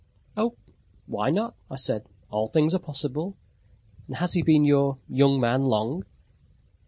"Oh, why not?" I said. "All things are possible. And has he been your young man long?"